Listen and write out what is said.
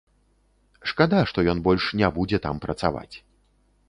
Шкада, што ён больш не будзе там працаваць.